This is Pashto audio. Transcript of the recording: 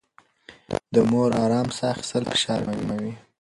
د مور ارام ساه اخيستل فشار کموي.